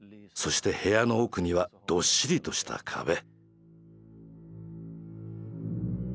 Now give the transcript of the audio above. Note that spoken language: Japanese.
そして部屋の奥にはどっしりとした壁。